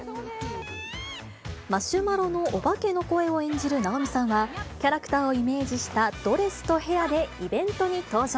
マシュマロのお化けの声を演じる直美さんは、キャラクターをイメージしたドレスとヘアでイベントに登場。